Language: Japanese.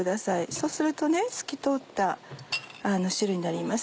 そうすると透き通った汁になります。